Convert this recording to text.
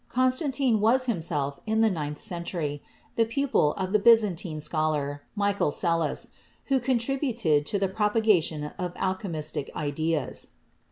Constantine was him self, in the ninth century, the pupil of the Byzantine scholar Michael Psellus, who contributed to the propaga tion of alchemistic ideas.